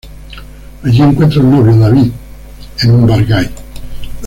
Allí encuentra un novio, David, en un bar gay.